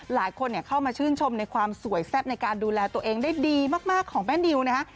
หลายคนเข้ามาชื่นชมในความสวยแซ่บในการดูแลตัวเองได้ดีมากของแม่นิวนะฮะ